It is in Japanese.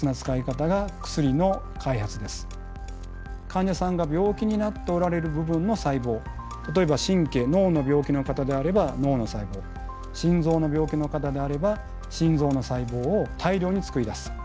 患者さんが病気になっておられる部分の細胞例えば神経脳の病気の方であれば脳の細胞心臓の病気の方であれば心臓の細胞を大量につくり出す。